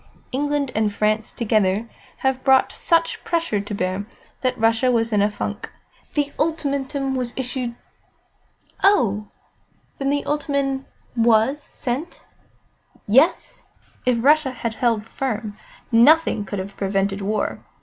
England and France together have brought such pressure to bear, that Russia was in a funk. The ultimatum we issued " "Oh, then, the ultimatum was sent?" "Yes. If Russia had held firm, nothing could have prevented war.